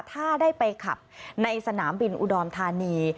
ถ้าได้ไปขับในสนามบินอุดรธานี